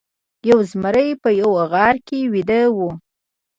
یو زمری په یوه غار کې ویده و.